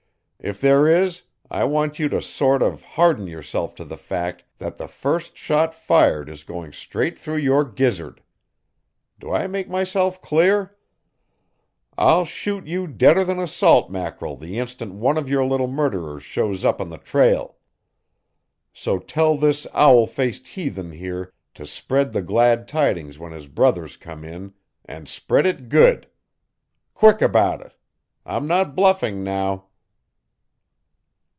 If there is I want you to sort of harden yourself to the fact that the first shot fired is going straight through your gizzard. Do I make myself clear? I'll shoot you deader than a salt mackerel the instant one of your little murderers shows up on the trail. So tell this owl faced heathen here to spread the glad tidings when his brothers come in and spread it good. Quick about it! I'm not bluffing now."